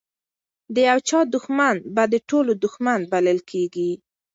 د یو چا دښمن به د ټولو دښمن بلل کیږي.